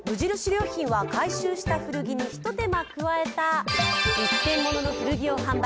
良品は回収した古着にひと手間加えた１点ものの古着を販売。